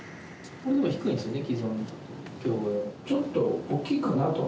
これでも低いんですよね。